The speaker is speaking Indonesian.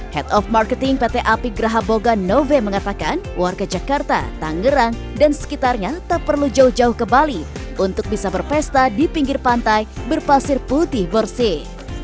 head of marketing pt api geraha boga nove mengatakan warga jakarta tangerang dan sekitarnya tak perlu jauh jauh ke bali untuk bisa berpesta di pinggir pantai berpasir putih bersih